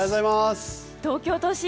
東京都心